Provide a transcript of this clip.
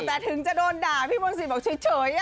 แต่ถึงจะโดนด่าพี่มนตรีบอกเฉย